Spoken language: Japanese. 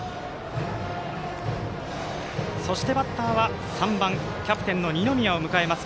そして、バッターは３番キャプテンの二宮を迎えます。